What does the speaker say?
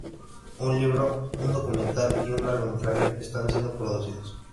Un libro, un documental y un largometraje estan siendo producidos.